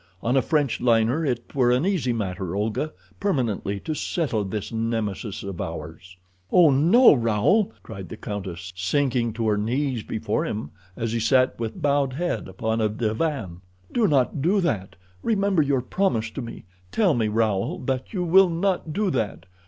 On a French liner it were an easy matter, Olga, permanently to settle this Nemesis of ours." "Oh, no, Raoul!" cried the countess, sinking to her knees before him as he sat with bowed head upon a divan. "Do not do that. Remember your promise to me. Tell me, Raoul, that you will not do that.